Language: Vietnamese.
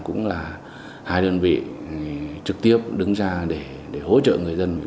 cũng là hai đơn vị trực tiếp đứng ra để hỗ trợ người dân